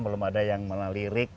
belum ada yang melalirik